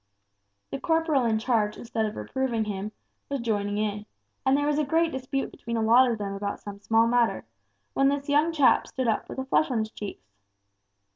The corporal in charge instead of reproving him, was joining in, and there was a great dispute between a lot of them about some small matter, when this young chap stood up with a flush on his cheeks.